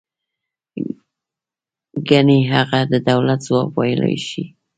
گني هغه د دولت ځواب ویلای شوی.